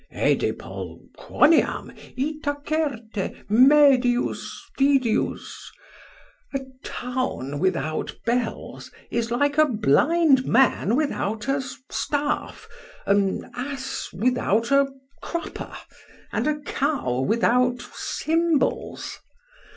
Edepol, quoniam, ita certe, medius fidius; a town without bells is like a blind man without a staff, an ass without a crupper, and a cow without cymbals.